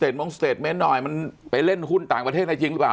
ต้องตัวหน่อยมันเป็นเล่นหุ้นต่างประเทศน่ะจริงหรือ